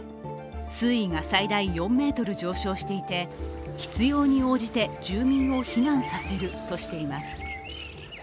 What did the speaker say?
水位が最大４ｍ上昇していて、必要に応じて住民を避難させるとしています。